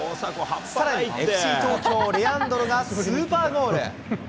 さらに、ＦＣ東京、レアンドロがスーパーゴール。